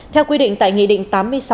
theo quy định tại nghị định tám mươi sáu